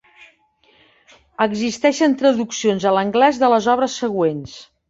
Existeixen traduccions a l'anglès de les obres següents.